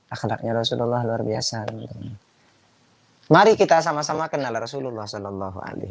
akhlaknya rasulullah luar biasa hai mari kita sama sama kenal rasulullah shallallahu alaihi